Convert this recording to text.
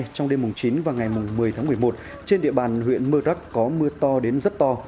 trong đêm chín và ngày một mươi tháng một mươi một trên địa bàn huyện mơ đắc có mưa to đến rất to